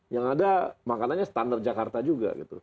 yang ada makanannya standar jakarta juga gitu